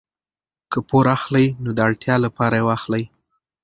که پور اخلئ نو د اړتیا لپاره یې واخلئ.